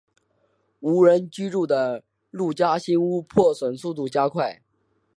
无人居住的陆家新屋破损速度加快。